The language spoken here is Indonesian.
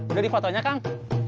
udah di fotonya kang